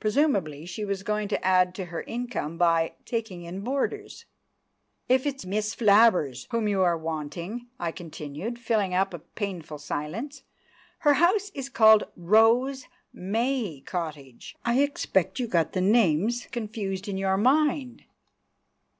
Presumably she was going to add to her income by taking in boarders. "If it's Miss Flabbers whom you are wanting," I continued, filling up a painful silence, "her house is called Rose May Cottage. I expect you got the names confused in your mind."